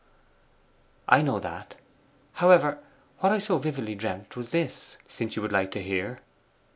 'I know that. However, what I so vividly dreamt was this, since you would like to hear.